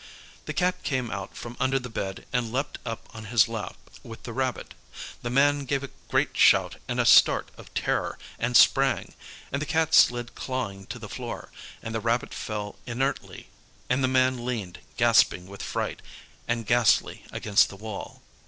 The Cat came out from under the bed and leaped up on his lap with the rabbit. The man gave a great shout and start of terror, and sprang, and the Cat slid clawing to the floor, and the rabbit fell inertly, and the man leaned, gasping with fright, and ghastly, against the wall.